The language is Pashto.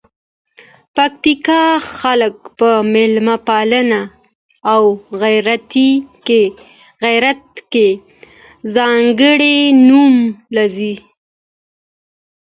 د پکتیکا خلګ په میلمه پالنه او غیرت کې ځانکړي نوم لزي.